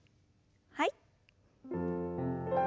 はい。